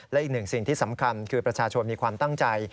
และอีกหนึ่งสิ่งที่สำคัญคือประชาชนมีความตั้งใจ